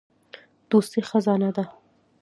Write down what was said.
دوستي خزانه ده.